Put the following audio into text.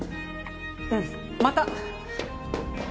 うんまた！